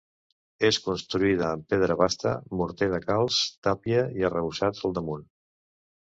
És construïda amb pedra basta, morter de calç, tàpia i arrebossat al damunt.